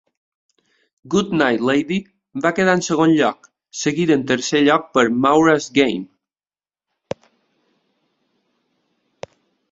"Goodnight Lady" va quedar en segon lloc, seguida en tercer lloc per "Maura's Game".